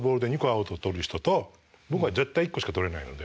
アウトを取る人と僕は絶対１個しか取れないので。